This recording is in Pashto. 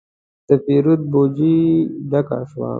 د پیرود بوجي ډکه شوه.